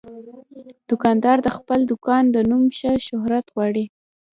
دوکاندار د خپل دوکان د نوم ښه شهرت غواړي.